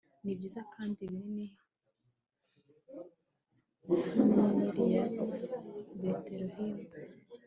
nibyiza kandi binini nkinyenyeri ya betelehemu